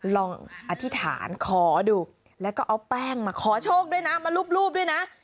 ลองอธิษฐานขอดูแล้วก็เอาแป้งมาขอโชคด้วยนะมารูปด้วยนะ